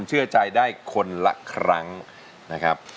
เชื่อใจได้คนละครั้งนะครับ